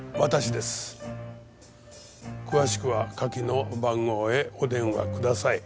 「詳しくは下記の番号へお電話ください」